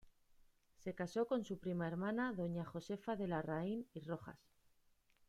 Se casó con su prima hermana doña Josefa de Larraín y Rojas.